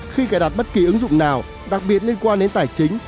khi cài đặt bất kỳ ứng dụng nào đặc biệt liên quan đến tài chính